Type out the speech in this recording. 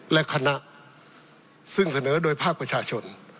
และคณะซึ่งเสนอโดยภาคประชาชน